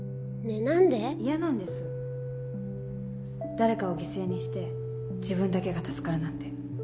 誰かを犠牲にして自分だけが助かるなんて。